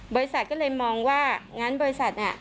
บริษัทก็เลยมองว่างั้นบริษัทเนี่ย